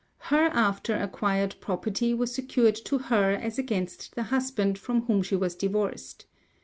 Her after acquired property was secured to her as against the husband from whom she was divorced.